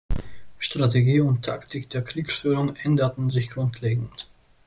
Strategie und Taktik der Kriegsführung änderten sich grundlegend.